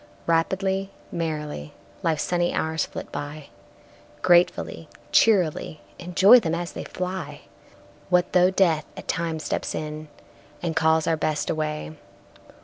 Rapidly, merrily, Life's sunny hours flit by, Gratefully, cheerily Enjoy them as they fly! What though Death at times steps in, And calls our Best away?